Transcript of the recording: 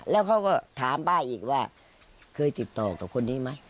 แล้วเขาก็ถามป้าอีกว่าเคยติดต่อกับคนนี้ไหม